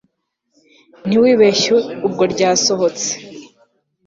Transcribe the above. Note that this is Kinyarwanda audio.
ntiwibeshye ubwo ryasohotse